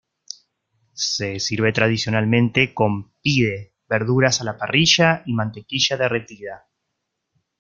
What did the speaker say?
Se sirve tradicionalmente con "pide", verduras a la parrilla y mantequilla derretida.